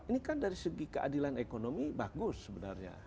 ini kan dari segi keadilan ekonomi bagus sebenarnya